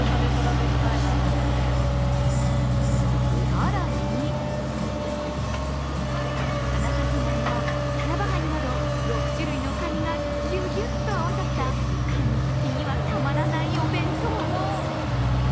更に花咲ガニやタラバガニなど６種類のカニがギュギュッと合わさったカニ好きにはたまらないお弁当も。